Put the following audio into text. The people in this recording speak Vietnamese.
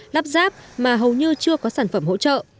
lắp ráp mà hầu như chưa có sản phẩm hỗ trợ